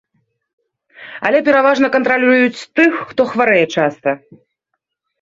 Але пераважна кантралююць тых, хто хварэе часта.